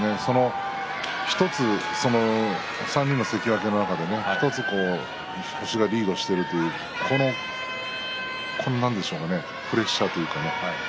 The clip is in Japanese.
１つ、３人の関脇の中で星がリードしているそういうプレッシャーといいますかね